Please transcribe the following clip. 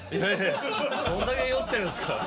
どんだけ酔ってるんですか？